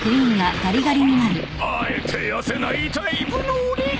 あえてやせないタイプの俺が。